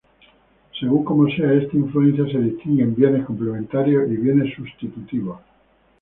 Según cómo sea esta influencia se distinguen bienes complementarios y bienes sustitutivos.